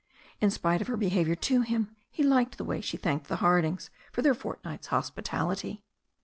In spite of her behaviour to him, he liked the way she thanked the Hardings for their fortnight's hospitality.